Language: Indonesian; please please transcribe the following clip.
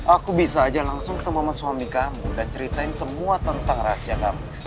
aku bisa aja langsung ketemu sama suami kamu dan ceritain semua tentang rahasia kamu